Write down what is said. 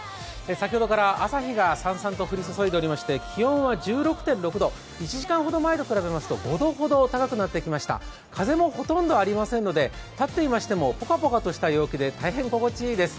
先ほどから朝日がさんさんと降り注いでいまして気温は１６．６度、１時間ほど前と比べますと５度ほど高くなってきました風もほとんどありませんので、立っていましてもポカポカとした陽気で大変気持ちいいです。